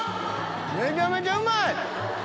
めちゃめちゃうまい！